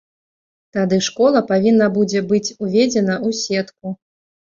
Тады школа павінна будзе быць уведзена ў сетку.